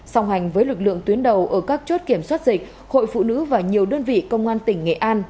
song hành với lực lượng tuyến đầu ở các chốt kiểm soát dịch hội phụ nữ và nhiều đơn vị công an tỉnh nghệ an